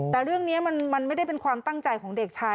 แต่เรื่องนี้มันไม่ได้เป็นความตั้งใจของเด็กชาย